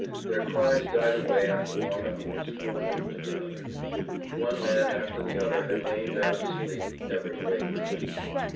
Their cries died away after long hours, one after the other. One man after the other had lain down to sleep, never to awake again.